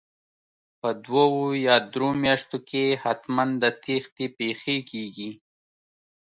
په دوو یا درو میاشتو کې حتمن د تېښتې پېښې کیږي